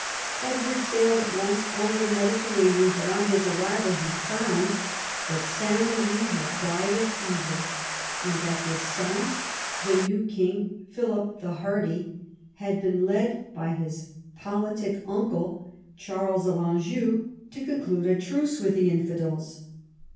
Edward sailed at once over the Mediterranean, but on his arrival he found that St. Louis had died of fever, and that his son, tlie new king, Philip the Hardy, had been led by his politic uncle, Charles of Anjou, to conclude a truce with the infidels.